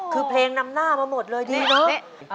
คือเพลงนำหน้ามาหมดเลยดีเนอะ